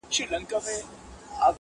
• نه سلمان وم نه په برخه مي خواري وه -